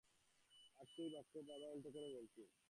আঁকতই বাক্য বারবার উলটো করে বলছি।